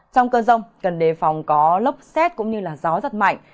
trong cơn rông cần đề phòng có lốc xét cũng như gió rất mạnh